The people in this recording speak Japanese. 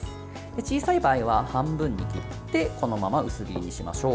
小さい場合は半分に切ってこのまま薄切りにしましょう。